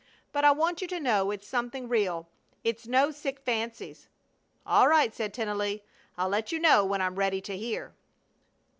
"But I want you to know it's something real. It's no sick fancies." "All right!" said Tennelly. "I'll let you know when I'm ready to hear."